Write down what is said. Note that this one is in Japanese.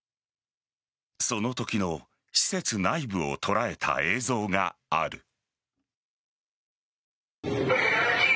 そのときの施設内部を捉えた映像がある。